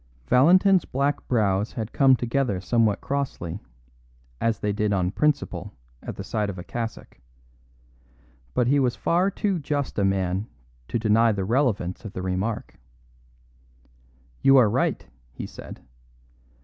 Valentin's black brows had come together somewhat crossly, as they did on principle at the sight of the cassock. But he was far too just a man to deny the relevance of the remark. "You are right," he said.